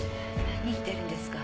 何言ってるんですか？